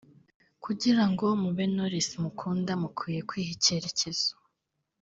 kugira ngo mube Knowless mukunda mukwiye kwiha icyerekezo